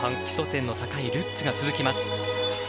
基礎点の高いルッツが続きます。